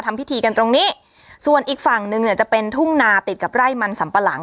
ทำพิธีกันตรงนี้ส่วนอีกฝั่งหนึ่งเนี่ยจะเป็นทุ่งนาติดกับไร่มันสัมปะหลัง